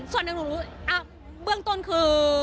ส่วนหนึ่งหนูรู้เบื้องต้นคือ